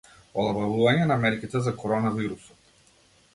Олабавување на мерките за коронавирусот